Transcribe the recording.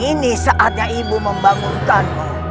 ini saatnya ibu membangunkanmu